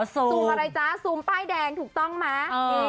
ซูมอะไรจ๊ะซูมป้ายแดงถูกต้องไหม